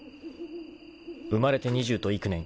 ［生まれて２０と幾年